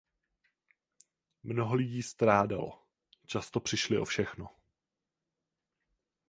Mnoho lidí strádalo, často přišli o všechno.